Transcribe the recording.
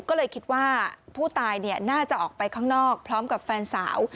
ก็เลยคิดว่าผู้ตายน่าจะออกไปข้างนอกพร้อมกับแฟนสาว